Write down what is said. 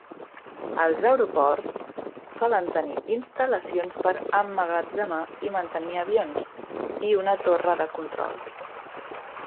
Els aeroports solen tenir instal·lacions per emmagatzemar i mantenir avions, i una torre de control.